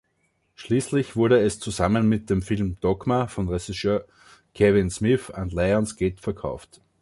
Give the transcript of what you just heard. Schließlich wurde es zusammen mit dem Film „Dogma“ von Regisseur Kevin Smith an Lionsgate verkauft.